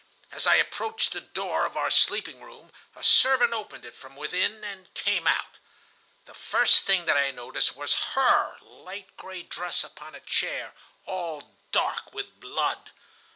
As I approached the door of our sleeping room, a servant opened it from within, and came out. The first thing that I noticed was her light gray dress upon a chair, all dark with blood.